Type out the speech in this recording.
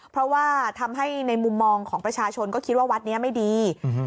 เพราะว่าทำให้ในมุมมองของประชาชนก็คิดว่าวัดนี้ไม่ดี